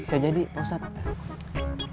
bisa jadi ustadz